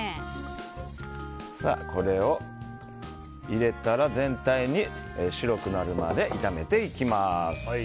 これを入れたら、全体に白くなるまで炒めていきます。